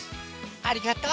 ありがと。